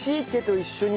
一緒に？